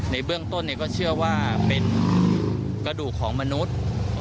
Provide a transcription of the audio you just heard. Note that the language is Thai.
ในเบื้องต้นก็เชื่อว่าเป็นกระดูกของมนุษย์